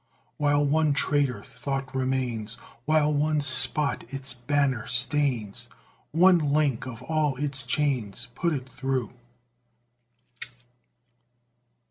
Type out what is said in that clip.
While one traitor thought remains, While one spot its banner stains, One link of all its chains, Put it through!